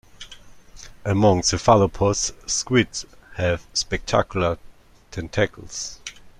Among cephalopods, squid have spectacular tentacles.